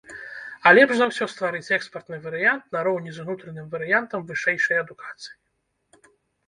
А лепш за ўсё стварыць экспартны варыянт нароўні з унутраным варыянтам вышэйшай адукацыі.